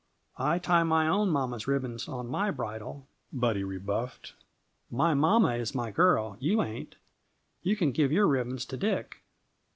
"I tie my own mamma's ribbons on my bridle," Buddy rebuffed. "My mamma is my girl you ain't. You can give your ribbons to Dick."